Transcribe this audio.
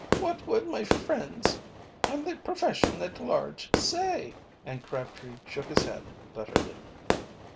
"What will my friends, and the profession at large, say?" and Crabtree shook his head bitterly.